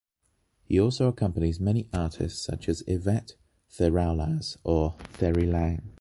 He also accompanies many artists such as Yvette Théraulaz or Thierry Lang.